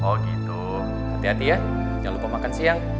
oh gitu hati hati ya jangan lupa makan siang